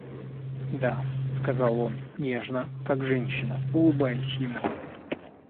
Да, — сказал он, нежно, как женщина, улыбаясь ему.